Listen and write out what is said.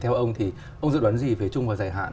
vấn đề gì về chung và giải hạn